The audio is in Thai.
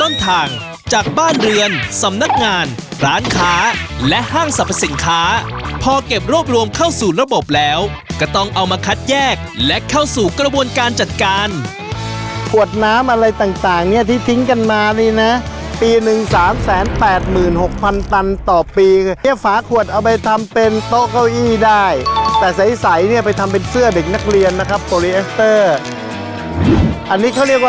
ว่าเขาประกอบอาชีพขายก๋วยเตี๋ยวน้ำตก